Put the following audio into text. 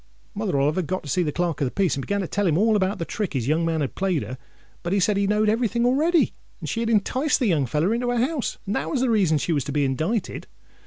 Mother Oliver got to see the Clerk of the Peace, and began to tell him all about the trick his young man had played her; but he said he knowed every thing already, that she had enticed the young feller into her house, and that was the reason she was to be indicted.